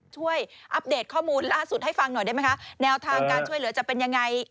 อัปเดตข้อมูลล่าสุดให้ฟังหน่อยได้ไหมคะแนวทางการช่วยเหลือจะเป็นยังไง